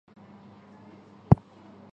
有的饿鬼则可能会保留前世的形象。